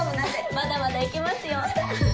まだまだ行けますよ！